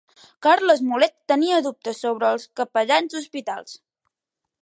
Carles Mulet tenia dubtes sobre els capellans d'hospitals